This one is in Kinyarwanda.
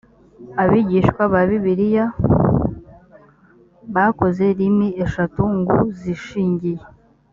abigishwa ba bibiliya bakoze limi eshatu ngu zishingiye